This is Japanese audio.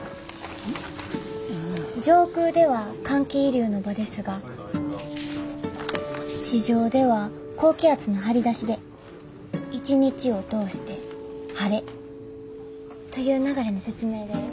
上空では寒気移流の場ですが地上では高気圧の張り出しで一日を通して晴れという流れの説明でどうでしょうか？